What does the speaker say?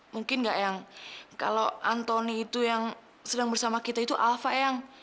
mungkin enggak eyang kalau antoni itu yang sedang bersama kita itu alva eyang